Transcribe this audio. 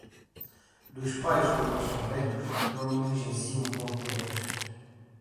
Dos pais quando eles são velhos, não negligencie um ponto deles.